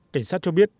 cảnh sát cho biết